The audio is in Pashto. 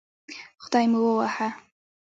خدای مو ووهه